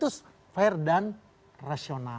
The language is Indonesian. itu fair dan rasional